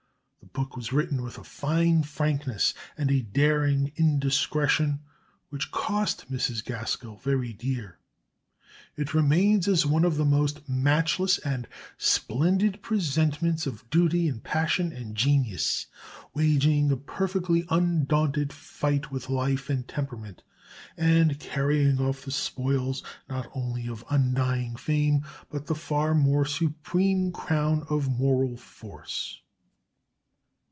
The book was written with a fine frankness and a daring indiscretion which cost Mrs. Gaskell very dear. It remains as one of the most matchless and splendid presentments of duty and passion and genius, waging a perfectly undaunted fight with life and temperament, and carrying off the spoils not only of undying fame, but the far more supreme crown of moral force.